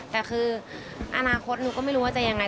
แต่คืออนาคตหนูก็ไม่รู้ว่าจะยังไง